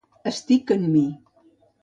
Estic en mi.